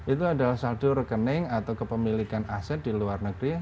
itu adalah saldo rekening atau kepemilikan aset di luar negeri